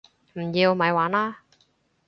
唔要！咪玩啦